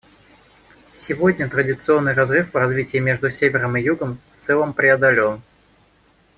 Сегодня традиционный разрыв в развитии между Севером и Югом в целом преодолен.